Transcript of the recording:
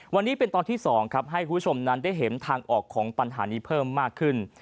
วันนี้เป็นตอนที่๒ครับให้คุณผู้ชมนั้นได้เห็นทางออกของปัญหานี้เพิ่มมากขึ้น